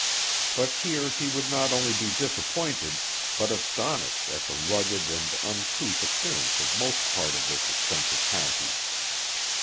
But here he would not only be disappointed, but astonished at the rugged and uncouth appearance of most part of this extensive county.